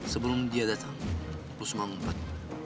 sebelum dia datang lo semua mumpet